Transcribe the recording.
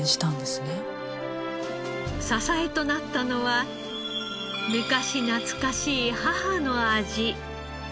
支えとなったのは昔懐かしい母の味。